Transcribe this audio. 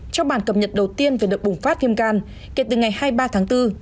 trong bản cập nhật đầu tiên về đợt bùng phát viêm gan kể từ ngày hai mươi ba tháng bốn